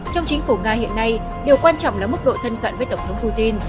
trong chính phủ nga hiện nay điều quan trọng là mức độ thân cận với tổng thống putin